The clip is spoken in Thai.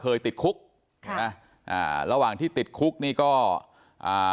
ขึ้นเลยติดคุกนะ่่าระหว่างที่ติดคุกนี่ก็อะ